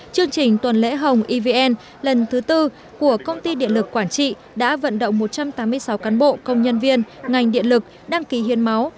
chương trình tuần lễ hồng evn lần thứ tư của công ty điện lực quảng trị đã vận động một trăm tám mươi sáu cán bộ công nhân viên ngành điện lực đăng ký hiến máu